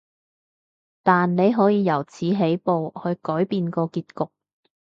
但你可以由此起步，去改變個結局